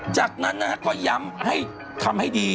จากนั้นนะไปก็ยั้มเราจับทำให้ดี